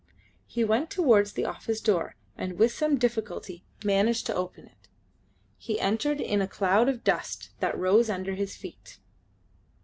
He went towards the office door and with some difficulty managed to open it. He entered in a cloud of dust that rose under his feet.